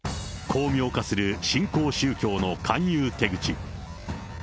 巧妙化する新興宗教の勧誘手口。